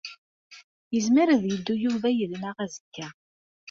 Yezmer ad yeddu Yuba yid-neɣ azekka.